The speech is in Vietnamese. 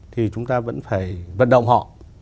thì chúng ta vẫn phải vận động họ